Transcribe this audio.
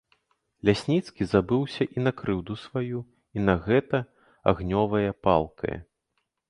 Лясніцкі забыўся і на крыўду сваю, і на гэта агнёвае, палкае.